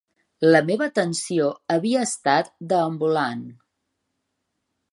La meva atenció havia estat deambulant.